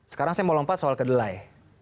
sekarang saya mau lompat soal kedelai